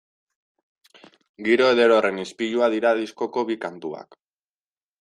Giro eder horren ispilua dira diskoko bi kantuak.